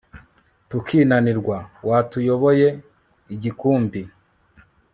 tukinanirwa, watuyoboye igikumbi